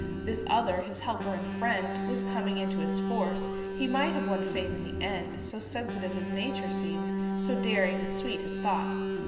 This other his helper and friend Was coming into his force; He might have won fame in the end, So sensitive his nature seemed, So daring and sweet his thought.